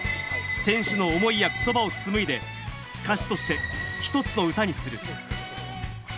選手の思いや言葉を紡いで、歌詞として一つの歌にする。